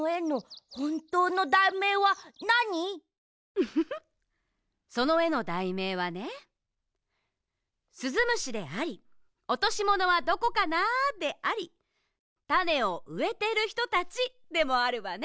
ウフフそのえのだいめいはね「すずむし」であり「おとしものはどこかな」であり「たねをうえているひとたち」でもあるわね。